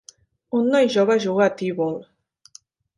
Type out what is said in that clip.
Un noi jove juga a teeball.